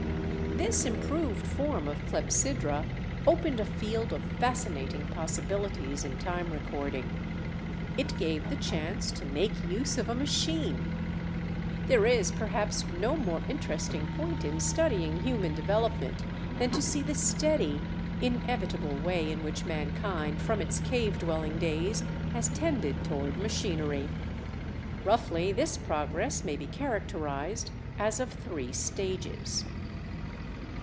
This improved form of clepsydra opened a field of fascinating possibilities in time recording—it gave the chance to make use of a machine. There is, perhaps, no more interesting point in studying human development than to see the steady, inevitable way in which mankind from its cave dwelling days has tended toward machinery. Roughly, this progress may be characterized as of three stages.